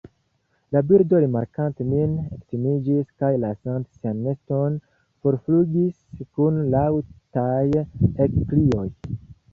La birdo, rimarkante min, ektimiĝis, kaj lasante sian neston forflugis kun laŭtaj ekkrioj.